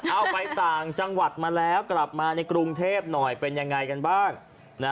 เอาไปต่างจังหวัดมาแล้วกลับมาในกรุงเทพหน่อยเป็นยังไงกันบ้าง